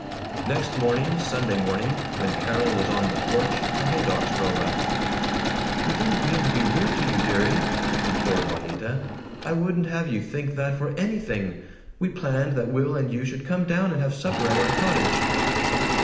Next morning, Sunday morning, when Carol was on the porch, the Haydocks drove up. "We didn't mean to be rude to you, dearie!" implored Juanita. "I wouldn't have you think that for anything. We planned that Will and you should come down and have supper at our cottage."